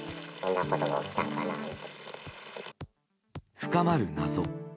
深まる謎。